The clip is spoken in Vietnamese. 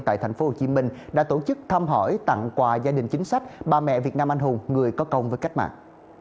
tại thành phố hồ chí minh đã tổ chức thăm hỏi tặng quà gia đình chính sách ba mẹ việt nam anh hùng người có công với cách mạng